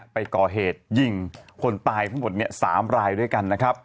ไปก่อเหตุยิงคนตายสามรายด้วยกัน